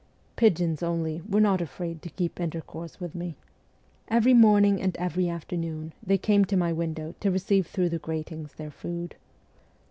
Pigeons only were not afraid to keep intercourse with me. Every morning and every afternoon they came to my window to receive through the gratings their food.